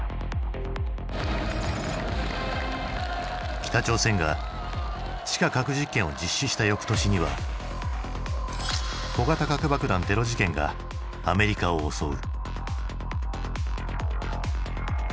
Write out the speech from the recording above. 北朝鮮が地下核実験を実施したよくとしには小型核爆弾テロ事件がアメリカを襲う。